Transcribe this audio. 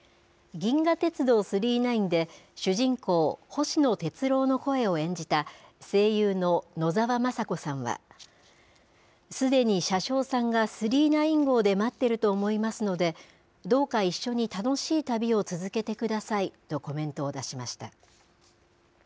銀河鉄道９９９で、主人公、星野鉄郎の声を演じた、声優の野沢雅子さんは。すでに車掌さんが９９９号で待ってると思いますので、どうか一緒に楽しい旅を続けてくださいとコメントを出しました。